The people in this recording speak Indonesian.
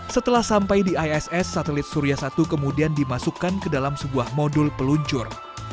setelah sampai di iss satelit surya satu kemudian dimasukkan ke dalam sebuah modul peluncur